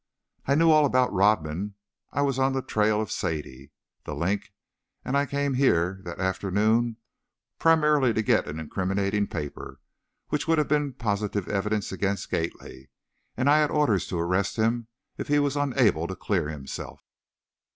"I knew all about Rodman, I was on the trail of Sadie, 'The Link,' and I came here, that afternoon, primarily to get an incriminating paper, which would have been positive evidence against Gately, and I had orders to arrest him if he was unable to clear himself.